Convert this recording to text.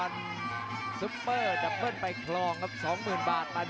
แต่พ่อท้องรุ่นพี่ครับเกาจริง